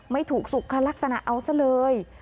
ไม่ถูกสุขลักษณะเอาซะเลย